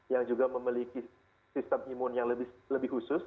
yang juga memiliki sistem imun yang lebih khusus